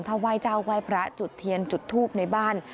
ถ้าไหว้เจ้าไหว้พระจุดเทียนจุดทูบในบ้าน